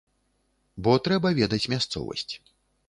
Бо трэба ведаць мясцовасць.